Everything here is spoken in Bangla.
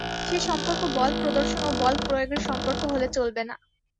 সে সম্পর্ক বল প্রদর্শন ও বল প্রয়োগের সম্পর্ক হলে চলবে না।